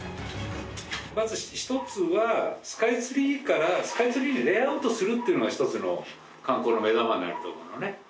まず１つはスカイツリーからスカイツリーにレイアウトするっていうのが１つの観光の目玉になると思うのね。